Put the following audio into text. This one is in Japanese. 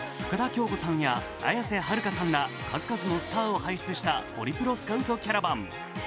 深田恭子さんや綾瀬はるかさんら数々のスターを輩出したホリプロスカウトキャラバン。